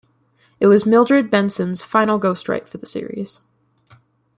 It was Mildred Benson's final ghostwrite for the series.